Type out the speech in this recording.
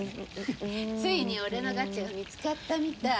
ついに「俺のガッチャ」が見つかったみたい。